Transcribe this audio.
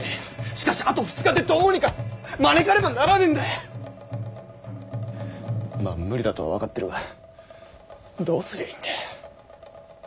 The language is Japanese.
しかしあと２日でどうにか招かねばならねぇんだ。まぁ無理だとは分かってるがどうすりゃいいんだ。